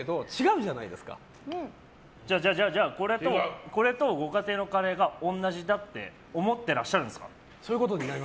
じゃあこれとご家庭のカレーが同じだって思ってらっしゃるんですか？